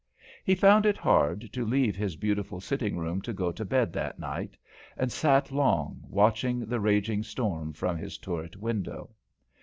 He found it hard to leave his beautiful sitting room to go to bed that night, and sat long watching the raging storm from his turret window.